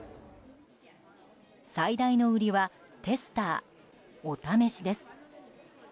最大の売りはテスター、お試しです。